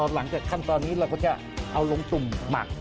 หลังจากขั้นตอนนี้เราก็จะเอาลงจุ่มหมัก